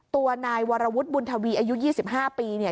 ตัวนายวรวุฒิบุญทวีอายุ๒๕ปีเนี่ย